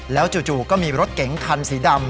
แล้วจู่ก็มีรถเก๋งคันสีดำ